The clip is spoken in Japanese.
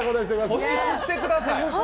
保湿してください！